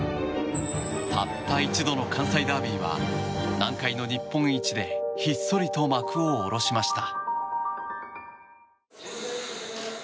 たった一度の関西ダービーは南海の日本一でひっそりと幕を下ろしました。